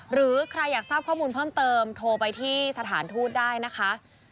หรือใครอยากทราบข้อมูลเพิ่มเติมโทรไปที่สถานทูตได้นะคะ